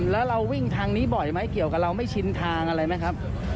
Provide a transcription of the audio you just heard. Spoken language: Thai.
แล้วเราวิ่งทางนี้บ่อยไหมเกี่ยวกับเราไม่ชินทางอะไรไหมครับ